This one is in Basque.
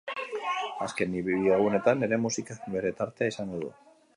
Azken bi egunetan ere musikak bere tartea izango du.